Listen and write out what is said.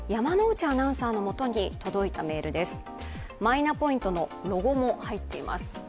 マイナポイントのロゴも入っています。